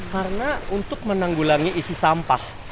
karena untuk menanggulannya isu sampah